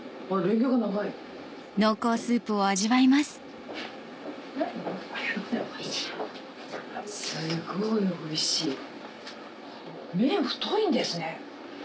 おいしい。